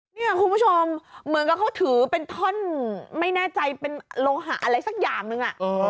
เนี่ยคุณผู้ชมเหมือนกับเขาถือเป็นท่อนไม่แน่ใจเป็นโลหะอะไรสักอย่างหนึ่ง